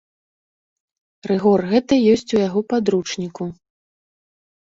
Рыгор гэты ёсць у яго падручніку.